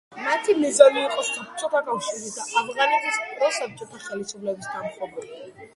მათი მიზანი იყო საბჭოთა კავშირის და ავღანეთის პროსაბჭოთა ხელისუფლების დამხობა.